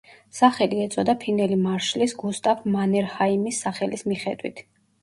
სახელი ეწოდა ფინელი მარშლის გუსტავ მანერჰაიმის სახელის მიხედვით.